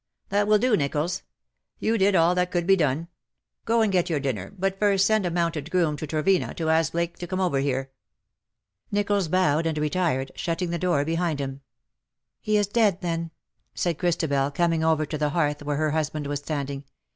That will do, Nicholls. You did all that could be done. Go and get your dinner, but first send a mounted groom to Trevena to ask Blake to come over here." Nicholls bowed and retired, shutting the door behind him. " He is dead, then," said Christabel, coming over to the hearth where her husband was standing.